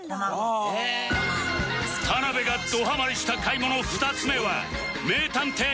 田辺がどハマりした買い物２つ目は『名探偵コナン』